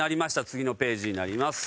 次のページになります。